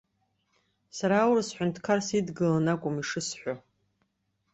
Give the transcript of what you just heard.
Сара аурыс ҳәынҭқар сидгыланы акәым ишысҳәо.